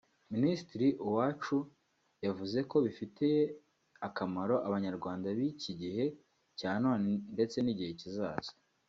Minisitiri Uwacu yavuze ko bifitiye akamaro abanyarwanda b’iki gihe cya none ndetse n’igihe kizaza